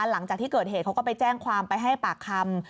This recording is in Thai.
หลังจากที่เกิดเหตุเขาก็ไปแจ้งความไปให้ปากคำ